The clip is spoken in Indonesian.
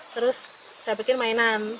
terus saya bikin mainan